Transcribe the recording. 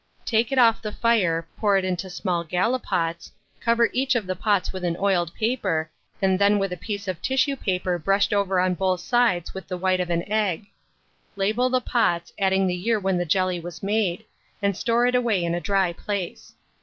Take it off the fire, pour it into small gallipots, cover each of the pots with an oiled paper, and then with a piece of tissue paper brushed over on both sides with the white of an egg. Label the pots, adding the year when the jelly was made, and store it away in a dry place.